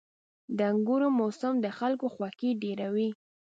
• د انګورو موسم د خلکو خوښي ډېروي.